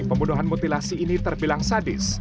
pembunuhan mutilasi ini terbilang sadis